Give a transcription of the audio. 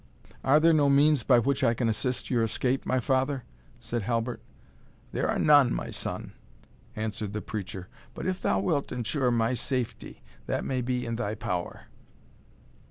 "Are there no means by which I can assist your escape, my father?" said Halbert. "There are none, my son," answered the preacher; "but if thou wilt ensure my safety, that may be in thy power."